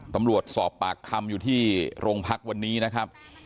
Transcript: ตำรวจสอบปากคำอยู่ที่โรงพักวันนี้นะครับ